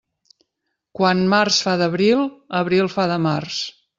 Quan març fa d'abril, abril fa de març.